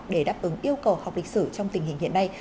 để đáp ứng yêu cầu học lịch sử trong tình hình hiện nay